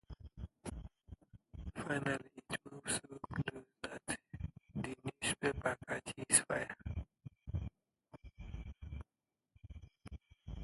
Finally it moves so close that the newspaper catches fire.